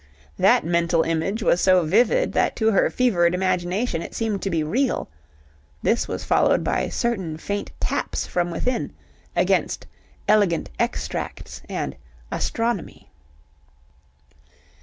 That mental image was so vivid that to her fevered imagination it seemed to be real. This was followed by certain faint taps from within against "Elegant Extracts" and "Astronomy".